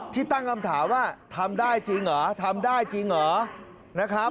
ที่ตั้งคำถามว่าทำได้จริงเหรอทำได้จริงเหรอนะครับ